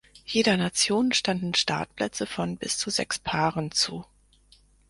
Jeder Nation standen Startplätze von bis zu sechs Paaren zu.